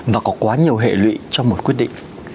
và có quá nhiều hệ lụy trong một quyết định